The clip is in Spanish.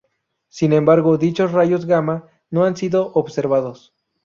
Sin embargo, dichos rayos gamma no han sido observados.